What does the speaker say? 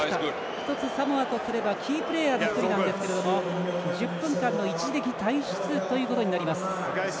一つ、サモアとしてはキープレーヤーの一人なんですけども１０分間の一時的退出ということになります。